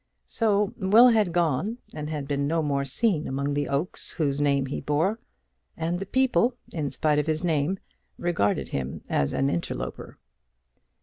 So Will had gone, and had been no more seen among the oaks whose name he bore. And the people, in spite of his name, regarded him as an interloper.